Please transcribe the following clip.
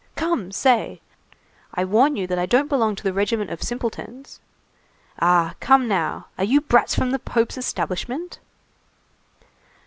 Come, say! I warn you that I don't belong to the regiment of simpletons. Ah, come now, are you brats from the Pope's establishment?"